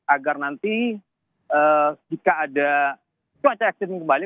agar nanti jika ada cuaca ekstrim kembali